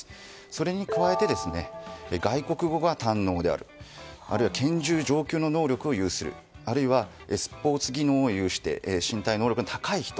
それに加えて外国語が堪能であるあるいは拳銃上級の能力を有するあるいはスポーツ技能を有して身体能力の高い人